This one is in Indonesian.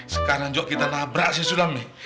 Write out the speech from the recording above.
sekarang kita labrak sih sudah